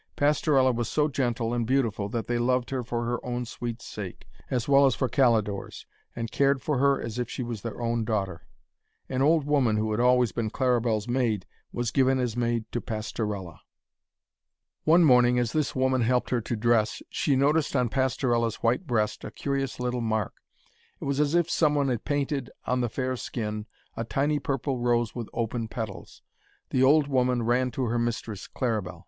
Pastorella was so gentle and beautiful that they loved her for her own sweet sake, as well as for Calidore's, and cared for her as if she was their own daughter. An old woman who had always been Claribel's maid was given as maid to Pastorella. One morning as this woman helped her to dress, she noticed on Pastorella's white breast a curious little mark. It was as if some one had painted on the fair skin a tiny purple rose with open petals. The old woman ran to her mistress, Claribel.